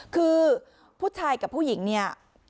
คือผู้ชายกับผู้หญิงเนี่ย